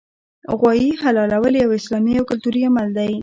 غوايي حلالول یو اسلامي او کلتوري عمل دی